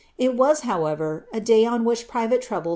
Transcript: It was, however, a day on which private trouble?